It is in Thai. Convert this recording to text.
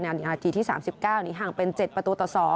นาทีที่๓๙นี้ห่างเป็น๗ประตูต่อ๒